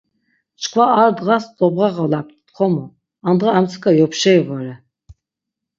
Çkva ar dğas dobğarğalapt txomu, andğa armtsika yopşeri vore.